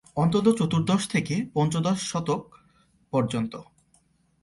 অন্তত চতুর্দশ থেকে পঞ্চদশ শতক পর্যন্ত।